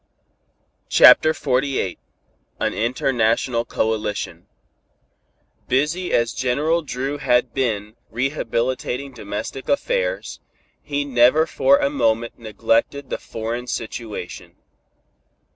CHAPTER XLVIII AN INTERNATIONAL COALITION Busy as General Dru had been rehabilitating domestic affairs, he never for a moment neglected the foreign situation.